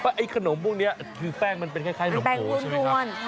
แฟงขนมพวกนี้คือแป้งมันเป็นคล้ายแป้งผู้นู้น